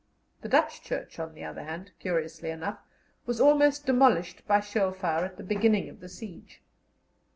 The Dutch Church, on the other hand, curiously enough, was almost demolished by shell fire at the beginning of the siege.